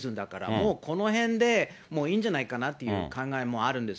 もうこのへんでもういいんじゃないかなという考えもあるんです。